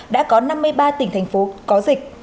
đã có năm mươi ba tỉnh thành phố có dịch